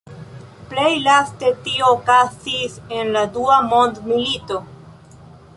Plej laste tio okazis en la Dua Mondmilito.